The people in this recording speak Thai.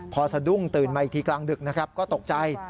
พอสะดุ้งตื่นมาอีกทีกลางดึกนะครับก็ตกใจ